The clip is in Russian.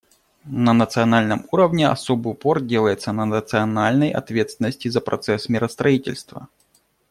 На национальном уровне особый упор делается на национальной ответственности за процесс миростроительства.